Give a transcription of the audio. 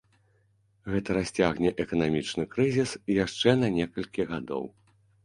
Гэта расцягне эканамічны крызіс яшчэ на некалькі гадоў.